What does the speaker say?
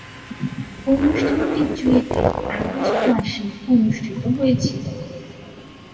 অনুষ্ঠানটি চুয়েটে আগস্ট মাসে অনুষ্ঠিত হয়েছিলো।